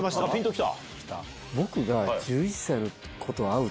きた。